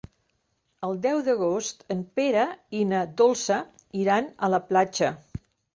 El deu d'agost en Pere i na Dolça iran a la platja.